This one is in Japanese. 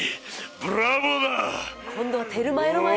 ブラボーだ！